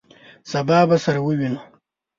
سبا به سره ووینو!